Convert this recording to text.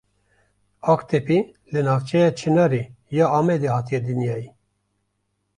Aqtepî li navçeya Çinarê ya Amedê hatiye dinyayê.